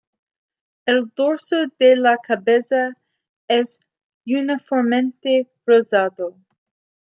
El dorso de la cabeza es uniformemente rosado.